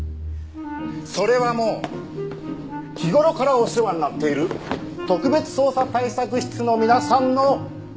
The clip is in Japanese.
それはもう日頃からお世話になっている特別捜査対策室の皆さんの身体ご健勝を。